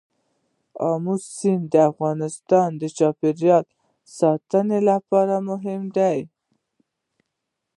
آمو سیند د افغانستان د چاپیریال ساتنې لپاره مهم دي.